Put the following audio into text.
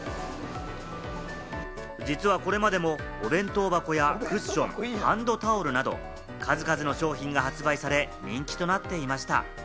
実はこれまでもお弁当箱やクッション、ハンドタオルなど数々の商品が発売され、人気となっていました。